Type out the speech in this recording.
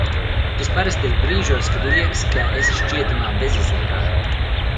Tas parasti ir brīžos, kad liekas, ka esi šķietamā bezizejā.